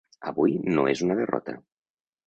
Avui no és una derrota.